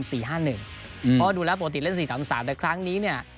เพราะดูแล้วปกติเล่น๔๓๓แต่ครั้งนี้เนี่ย